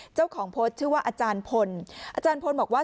เจ้าของโพสต์ชื่อว่าอาจารย์พลอาจารย์พลบอกว่า